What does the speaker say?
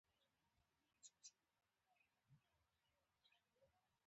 موږ د عمرې په مهال ډېرې سیمې ولیدې.